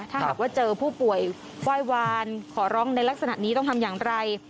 ถ้าหากว่าเจอผู้ป่วยไหว้วานขอร้องในลักษณะนี้ต้องทำอย่างไร